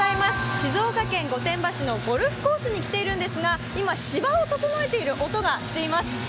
静岡県御殿場市のゴルフコースに来ているんですが今、芝を整えている音がしています